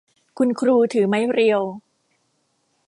คุณครูถือไม้เรียว